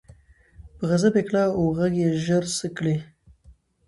په غضب یې کړه ور ږغ چي ژر سه څه کړې